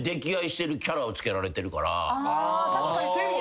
確かに。